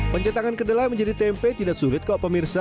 pencetangan kedelai menjadi tempe tidak sulit kok pemirsa